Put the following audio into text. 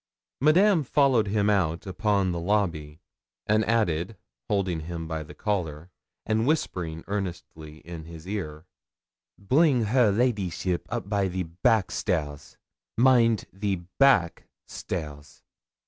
Madame followed him out upon the lobby, and added, holding him by the collar, and whispering earnestly in his ear 'Bring hair ladysheep up by the backstairs mind, the _back_stairs.'